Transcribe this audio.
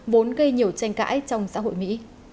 vốn gây nhiều tranh cãi trong xã hội mỹ